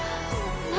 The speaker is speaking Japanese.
何？